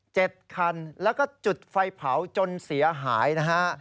คันแล้วก็จุดไฟเผาจนเสียหายนะฮะ